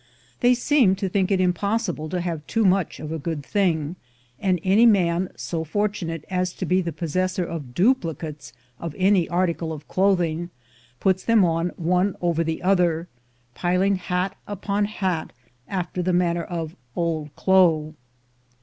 They seemed to think it impossible to have too much of a good thing; and any man so fortunate as to be the possessor of duplicates of any article" of clothing, puts them on one over the other, piling hat upon hat after the manner of "Old clo."